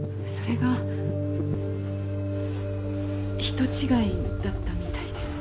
それが人違いだったみたいで。